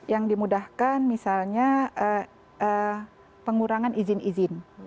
yang dimudahkan misalnya pengurangan izin izin